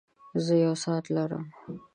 زۀ يو ساعت لرم.